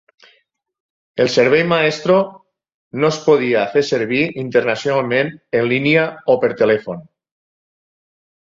El servei Maestro no es podia fer servir internacionalment en línia o per telèfon.